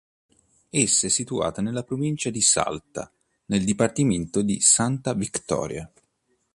Essa è situata nella Provincia di Salta, nel Dipartimento di Santa Victoria.